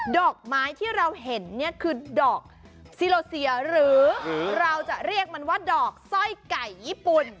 ดอกไม้ที่เราเห็นเนี่ยคือดอกซิโลเซียหรือเราจะเรียกมันว่าดอกสร้อยไก่ญี่ปุ่น